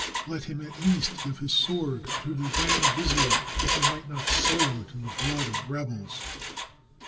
Let him at least give his sword to the grand vizier, that he might not soil it in the blood of rebels.